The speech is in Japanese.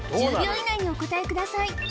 １０秒以内にお答えください